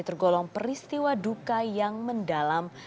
tergolong peristiwa duka yang mendalam